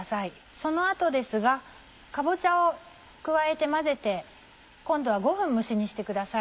その後ですがかぼちゃを加えて混ぜて今度は５分蒸し煮してください。